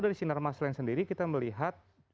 dari sinar masalah yang sendiri kita melihat